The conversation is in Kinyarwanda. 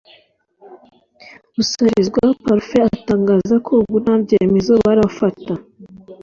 Busabizwa Parfait atangaza ko ubu nta byemezo barafata